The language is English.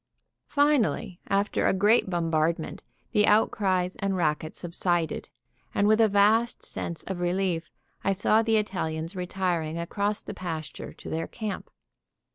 Finally, after a great bombardment, the outcries and racket subsided, and with a vast sense of relief, I saw the Italians retiring across the pasture to their camp.